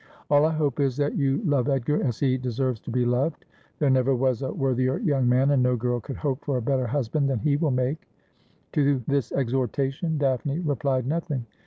All I hope is that you love Edgar as he deserves to be loved. There never was a worthier young man, and no girl could hope for a better hus band than he will make.' To this exhortation Daphne replied nothing.